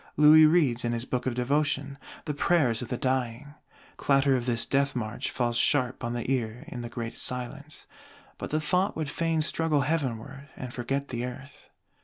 Louis reads, in his Book of Devotion, the Prayers of the Dying: clatter of this death march falls sharp on the ear in the great silence; but the thought would fain struggle heavenward, and forget the Earth.